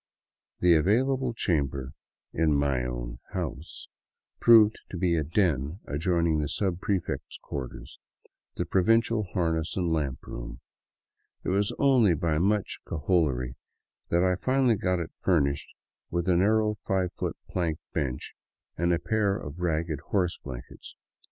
The available chamber in " my own house " proved to be a den adjoining the subpre feet's quarters, the provincial harness and lamp room. It was only by much cajolery that I finally got it furnished with a narrow five foot plank bench and a pair of ragged horse blankets.